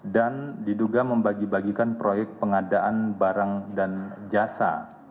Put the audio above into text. dan diduga membagi bagikan proyek pengadaan barang dan jasa